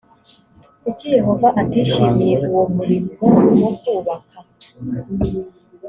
kuki yehova atishimiye uwo murimo wo kubaka?